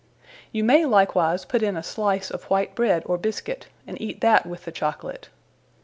You may likewise put in a slice of white bred or Bisquet, and eate that with the Chocolate.